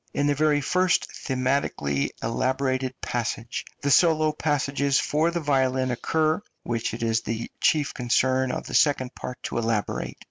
In the very first thematically elaborated passage the solo passages for the violin occur, which it is the chief concern of the second part to elaborate.